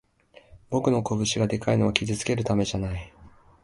俺の拳がでかいのは傷つけるためじゃない